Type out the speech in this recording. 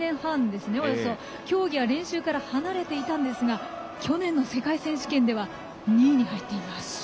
およそ１年半競技や練習から離れていましたが去年の世界選手権では２位に入っています。